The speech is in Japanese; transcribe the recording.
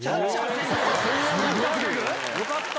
よかった。